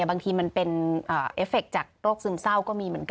บางทีมันเป็นเอฟเฟคจากโรคซึมเศร้าก็มีเหมือนกัน